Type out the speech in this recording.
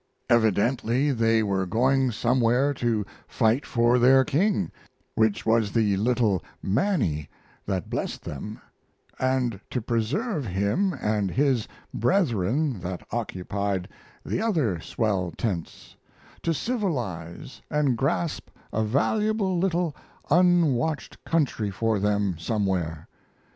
Evidently they were going somewhere to fight for their king, which was the little manny that blessed them; and to preserve him and his brethren that occupied the other swell tents; to civilize and grasp a valuable little unwatched country for them somewhere.